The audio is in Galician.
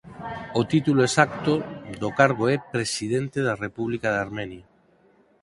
O título exacto do cargo é "Presidente da República de Armenia".